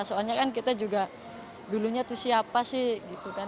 soalnya kan kita juga dulunya tuh siapa sih gitu kan